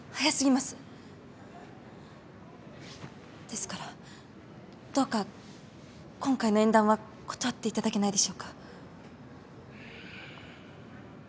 ですからどうか今回の縁談は断っていただけないでしょうか。